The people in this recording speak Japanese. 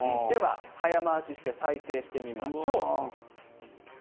早回しして再生してみましょう。